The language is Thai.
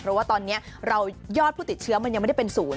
เพราะว่าตอนนี้เรายอดผู้ติดเชื้อมันยังไม่ได้เป็นศูนย์